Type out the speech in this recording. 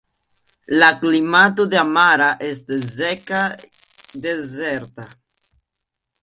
La klimato de Amara estas seka dezerta.